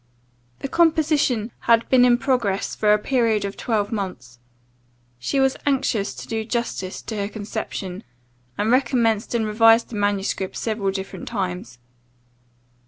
The composition had been in progress for a period of twelve months. She was anxious to do justice to her conception, and recommenced and revised the manuscript several different times.